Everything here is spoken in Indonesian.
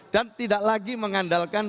dan tidak lagi mengandalkan